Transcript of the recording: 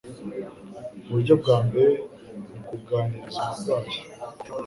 Uburyo bwa mbere ni ukuganiriza umurwayi